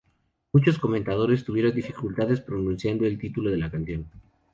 Muchos comentadores tuvieron dificultades pronunciando el título de la canción.